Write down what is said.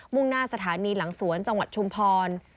่งหน้าสถานีหลังสวนจังหวัดชุมพร